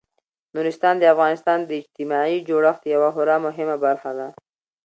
نورستان د افغانستان د اجتماعي جوړښت یوه خورا مهمه برخه ده.